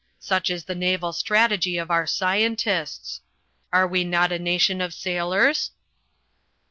Such is the naval strategy of our scientists! Are we not a nation of sailors?"